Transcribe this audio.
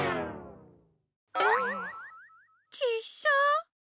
ちっさ。